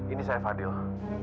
ini saya fadil